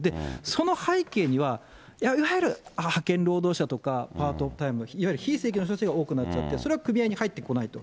その背景には、いわゆる派遣労働者とかパートタイム、いわゆる非正規の人たちが多くなっちゃって、それは組合に入ってこないと。